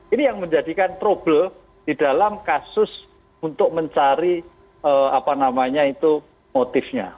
ini yang menjadikan trouble di dalam kasus untuk mencari apa namanya itu motifnya